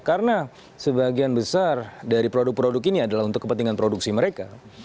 karena sebagian besar dari produk produk ini adalah untuk kepentingan produksi mereka